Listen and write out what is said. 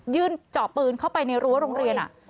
เจาะปืนเข้าไปในรั้วโรงเรียน